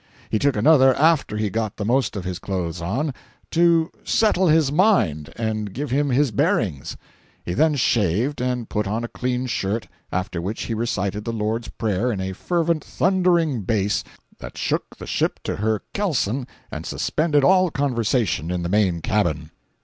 —He took another after he got the most of his clothes on, "to settle his mind and give him his bearings." He then shaved, and put on a clean shirt; after which he recited the Lord's Prayer in a fervent, thundering bass that shook the ship to her kelson and suspended all conversation in the main cabin.